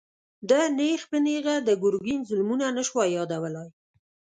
ده نېغ په نېغه د ګرګين ظلمونه نه شوای يادولای.